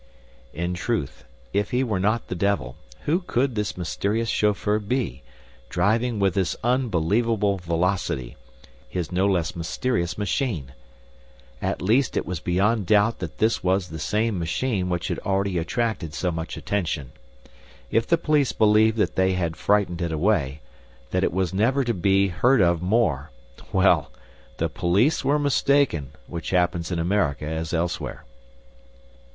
In truth, if he were not the devil, who could this mysterious chauffeur be, driving with this unbelievable velocity, his no less mysterious machine? At least it was beyond doubt that this was the same machine which had already attracted so much attention. If the police believed that they had frightened it away, that it was never to be heard of more, well, the police were mistaken which happens in America as elsewhere.